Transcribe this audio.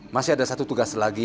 masih ada satu tugas lagi